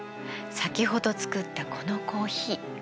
さきほど作ったこのコーヒー。